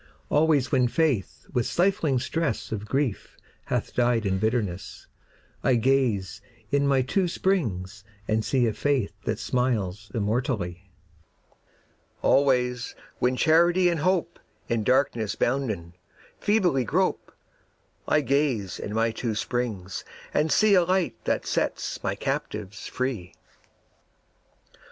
Always when Faith with stifling stress Of grief hath died in bitterness, I gaze in my two springs and see A Faith that smiles immortally. Always when Charity and Hope, In darkness bounden, feebly grope, I gaze in my two springs and see A Light that sets my captives free.